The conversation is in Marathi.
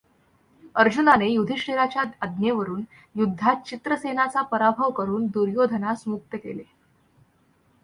अर्जुनाने युधिष्ठिराच्या आज्ञेवरून युद्धात चित्रसेनाचा पराभव करून दुर्योधनास मुक्त केले.